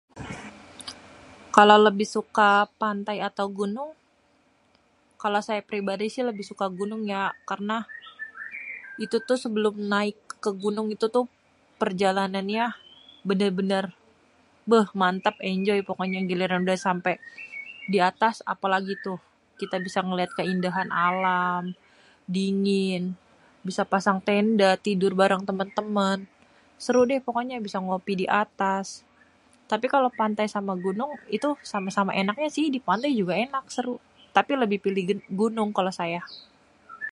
kalo lebih suka pantai atau gunung kalo saya pribadi mah lebih suka gunung ya karna itu tuh sebelum naik ke gunung itu tuh perjalannya bener-bener beh mantep enjoy pokonyé giliran udeh sampe di atas apelagi tuh kita bisa liat keindahan alam dingin, bisa pasang, tenda tidur bareng temen-temen, serudeh pokoknyé bisa ngopi di atas tapi kalo pantai sama gunung itu sama-sama enaknya si dipantai juga enak seru tapi lebih pilih gunung kalo saya.